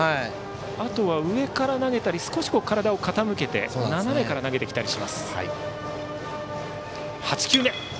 あとは上から投げたり少し体を傾けて斜めから投げてきたりします。